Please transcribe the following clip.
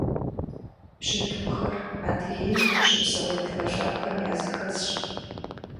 Бжьэдыгъухэр Адыгейм щыпсэу адыгэ лъэпкъхэм языхэзщ.